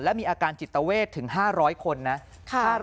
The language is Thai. และมีอาการจิตเวทถึง๕๐๐คนนะ